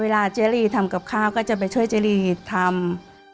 เจรีทำกับข้าวก็จะไปช่วยเจรีทำ